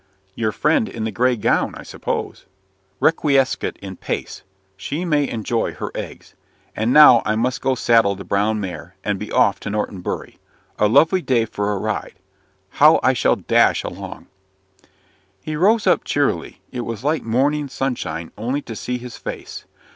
"Your friend in the grey gown, I suppose." "Requiescat in Pace! May she enjoy her eggs! And now I must go saddle the brown mare, and be off to Norton Bury. A lovely day for a ride. How I shall dash along!" He rose up cheerily. It was like morning sunshine only to see his face.